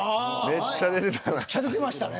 めっちゃ出てましたね。